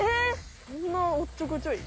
そんなおっちょこちょい？